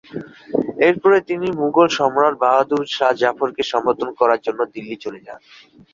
এরপরে তিনি মুঘল সম্রাট বাহাদুর শাহ্ জাফরকে সমর্থন করার জন্য দিল্লি চলে যান।